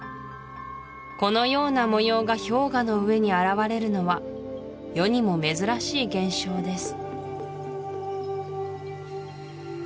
このような模様が氷河の上に現れるのは世にも珍しい現象です